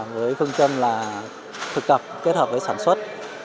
với phương chân là thực tập kết hợp với sản xuất